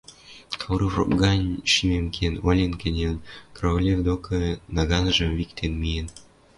Кауров рок гань шимем кен, олен кӹньӹлӹн, Кровлев докы наганжым виктен миэн: